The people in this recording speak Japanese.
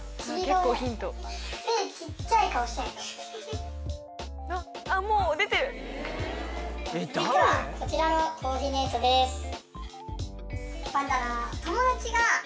続いてはこちらのコーディネートです。